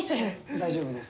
大丈夫です。